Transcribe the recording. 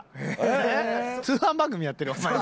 通販番組やってる？お前今。